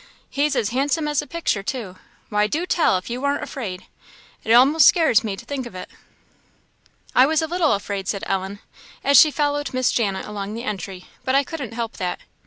he's as handsome as a picture, too why, do tell if you warn't afraid? it a'most scares me to think of it." "I was a little afraid," said Ellen, as she followed Miss Janet along the entry "but I couldn't help that.